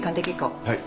はい。